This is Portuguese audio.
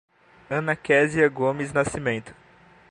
Ana Quesia Gomes Nascimento